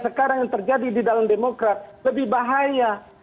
dan sekarang yang terjadi di dalam demokrat lebih bahaya